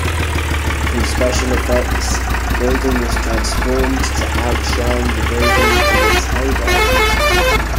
Through special effects, the building is transformed to outshine the building in its heyday.